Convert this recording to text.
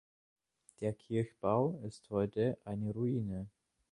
Der Kirchenbau ist heute eine Ruine.